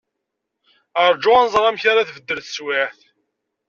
Rjut ad nẓer amek ara tbeddel teswiεt.